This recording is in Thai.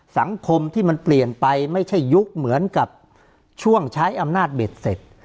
สังคมที่มันเปลี่ยนไปไม่ใช่ยุคเหมือนกับช่วงใช้อำนาจเบ็ดเสร็จ